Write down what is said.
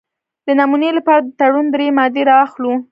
د نمونې لپاره د تړون درې مادې را اخلو.